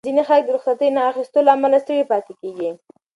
ځینې خلک د رخصتۍ نه اخیستو له امله ستړي پاتې کېږي.